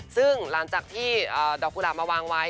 ซึ่งหลังจากที่ดอกกุหลาบมาวางไว้